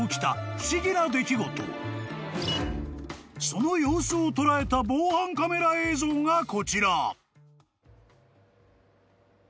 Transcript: ［その様子を捉えた防犯カメラ映像がこちら］